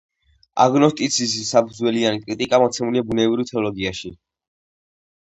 აგნოსტიციზმის საფუძვლიანი კრიტიკა მოცემულია ბუნებრივ თეოლოგიაში.